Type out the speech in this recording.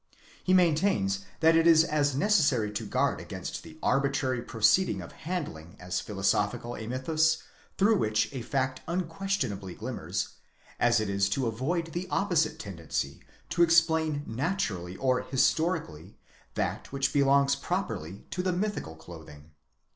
He maintains that it is as necessary to guard against the arbitrary proceeding of handling as philo sophical a mythus through which a fact unquestionably glimmers, as it is to _avoid the opposite tendency to explain naturally or historically that which belongs properly to the mythical clothing.